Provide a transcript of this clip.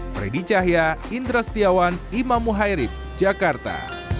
freddy cahya indra setiawan imamu hairib jakarta